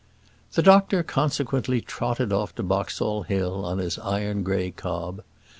The doctor consequently trotted off to Boxall Hill on his iron grey cob.